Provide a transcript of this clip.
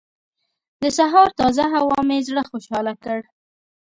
د سهار تازه هوا مې زړه خوشحاله کړ.